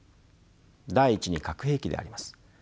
第１に核兵器であります。